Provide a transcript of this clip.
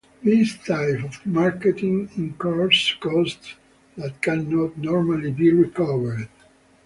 This type of marketing incurs costs that cannot normally be recovered.